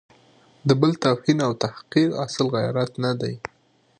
د بل توهین او تحقیر اصیل غیرت نه دی.